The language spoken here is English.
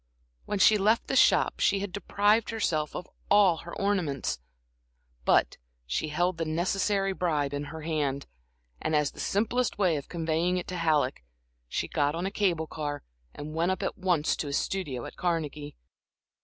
When she left the shop she had deprived herself of all her ornaments, but she held the necessary bribe in her hand, and as the simplest way of conveying it to Halleck, she got on a cable car and went up at once to his studio at Carnegie.